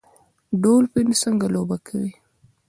ډولفین څنګه لوبه کوي؟